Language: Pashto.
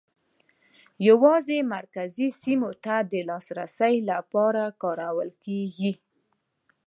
یوازې مرکزي سیمو ته د لاسرسي لپاره کارول کېږي.